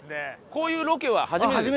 こういうロケは初めてですか？